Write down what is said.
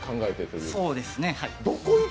そうですね、はい。